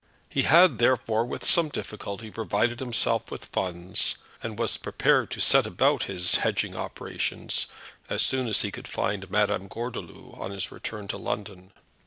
He had, therefore, with some difficulty, provided himself with funds, and was prepared to set about his hedging operations as soon as he could find Madame Gordeloup on his return to London.